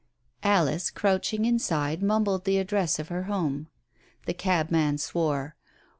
Alice, crouching inside, mumbled the address of her home. The cabman swore.